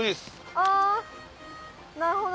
・ああなるほど。